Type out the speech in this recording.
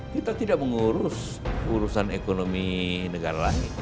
kita tidak mengurus urusan ekonomi negara lain